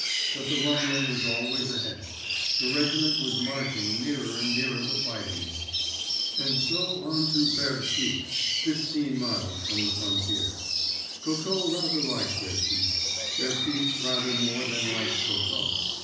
But the rumbling was always ahead—the regiment was marching nearer and nearer the fighting. And so on to Bertrix, fifteen miles from the frontier. Coco rather liked Bertrix. Bertrix rather more than liked Coco.